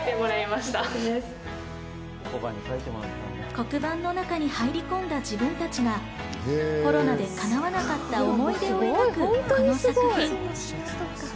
黒板の中に入り込んだ自分たちがコロナでかなわなかった思い出を描くこの作品。